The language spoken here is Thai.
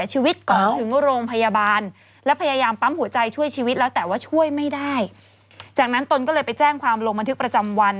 จากนั้นตนก็เลยไปแจ้งความลงบันทึกประจำวัน